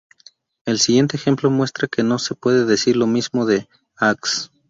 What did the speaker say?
El siguiente ejemplo muestra que no se puede decir lo mismo de "ax".